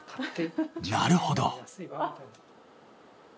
なるほど。